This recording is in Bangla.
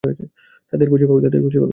তাদের খুঁজে পাবে।